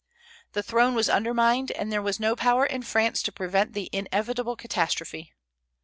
The throne was undermined, and there was no power in France to prevent the inevitable catastrophe.